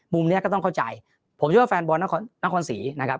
มุมนี้ก็ต้องเข้าใจผมเชื่อว่าแฟนบอลนครศรีนะครับ